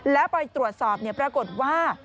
แล้วไปตรวจสอบปรากฏว่า